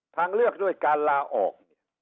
ทางเลือกด้วยการลาออก